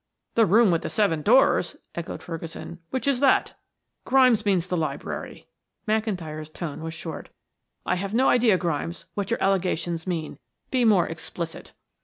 "The room with the seven doors!" echoed Ferguson. "Which is that?" "Grimes means the library." McIntyre's tone was short. "I have no idea, Grimes, what your allegations mean. Be more explicit."